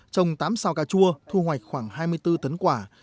trồng tám sao cà chua thu hoạch khoảng hai mươi bốn tấn quả